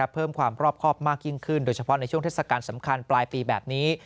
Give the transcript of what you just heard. เพิ่มความรอบครอบมากยิ่งขึ้นโดยเฉพาะในช่วงเทศกาลสำคัญปลายปีแบบนี้